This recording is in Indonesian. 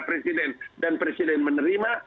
presiden dan presiden menerima